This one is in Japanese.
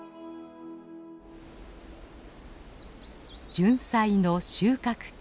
ジュンサイの収穫期。